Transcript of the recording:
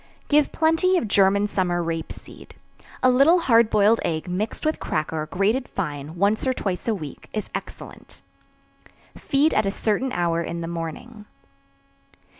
Give plenty of German summer rape seed. A little hard boiled egg mixed with cracker, grated fine, once or twice a week, is excellent. Feed at a certain hour in the morning.